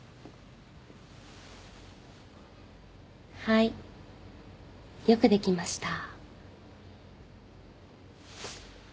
はいよくできました